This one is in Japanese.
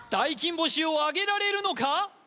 大金星をあげられるのか？